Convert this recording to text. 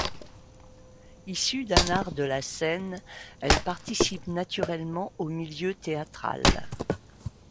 Issue d'un art de la scène, elle participe naturellement au milieu théâtral.